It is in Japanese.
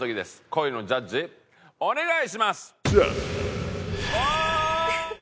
恋のジャッジお願いします！